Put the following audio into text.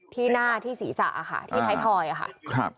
ที่หน้าที่ศีรษะค่ะที่ไทยทอยค่ะ